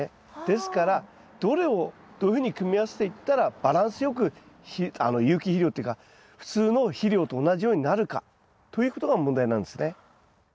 ですからどれをどういうふうに組み合わせていったらバランスよく有機肥料っていうか普通の肥料と同じようになるかということが問題なんですね。